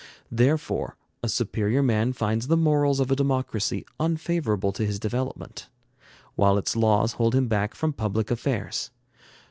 Therefore a superior man finds the morals of a democracy unfavorable to his development, while its laws hold him back from public affairs.